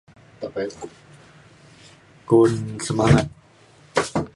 [unintelligible] ku'un semangat